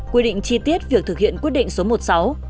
quy định chi tiết việc thực hiện quyết định số một mươi sáu